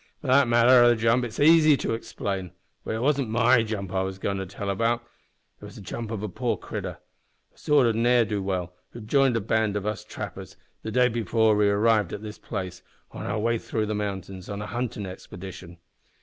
"Oh, for the matter o' that it's easy to explain; but it wasn't my jump I was goin' to tell about; it was the jump o' a poor critter a sort o' ne'er do well who jined a band o' us trappers the day before we arrived at this place, on our way through the mountains on a huntin' expedition.